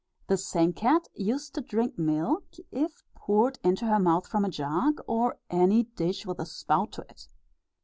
The same cat used to drink milk, if poured into her mouth from a jug, or any dish with a spout to it.